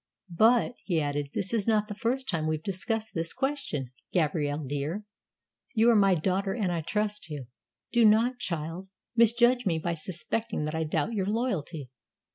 But," he added, "this is not the first time we've discussed this question, Gabrielle dear. You are my daughter, and I trust you. Do not, child, misjudge me by suspecting that I doubt your loyalty."